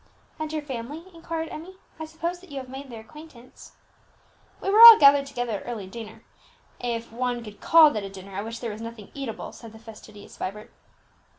"And her family?" inquired Emmie; "I suppose that you have made their acquaintance." "We were all gathered together at early dinner, if one could call that a dinner at which there was nothing eatable," said the fastidious Vibert.